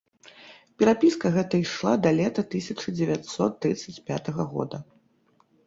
Перапіска гэта ішла да лета тысяча дзевяцьсот трыццаць пятага года.